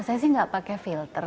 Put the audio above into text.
saya sih nggak pakai filter